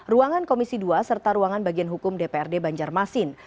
ruangan komisi dua serta ruangan bagian hukum dprd banjarmasin